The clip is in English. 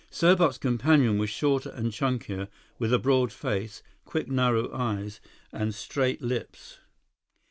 Serbot's companion was shorter and chunkier, with a broad face, quick, narrow eyes, and straight lips.